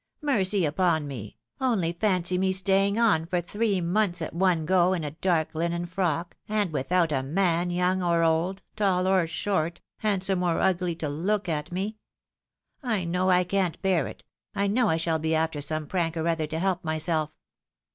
Mercy upon me ! only fancy me staying on, for tliree months at one go, in a dark linen frock, and without a man, young or old, tall or short, handsome or ugly, to look at me. I know I can't bear it — I know I shall be after some prank or other to help myself."